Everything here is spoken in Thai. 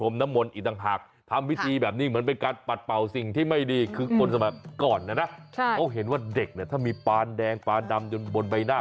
มันไม่สวยแต่เอาจริงคนจะหล่อจะสวยไม่ได้อยู่ที่ใบหน้า